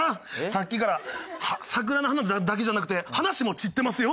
さっきから桜の花だけじゃなくて話も散ってますよ！